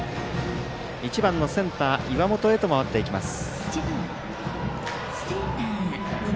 １番のセンター岩本へと回っていきます。